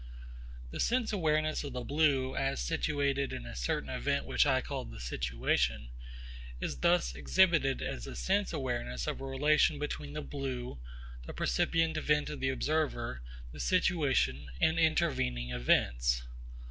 The sense awareness of the blue as situated in a certain event which I call the situation, is thus exhibited as the sense awareness of a relation between the blue, the percipient event of the observer, the situation, and intervening events.